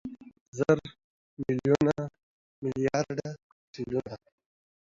زره، ميليونه، ميليارده، تريليونه